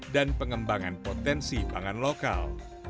dan pengembangan potensi pangan lokal